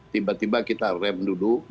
tiba tiba kita rem dulu